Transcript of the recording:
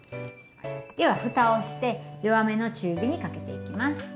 ではふたをして弱めの中火にかけていきます。